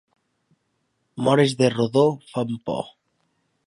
Mores de rodó fan por.